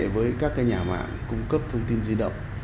với các nhà mạng cung cấp thông tin di động